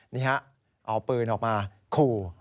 นี่ฮะเอาปืนออกมาขู่